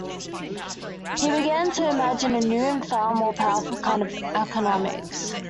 He began to imagine a new and far more powerful kind of economics.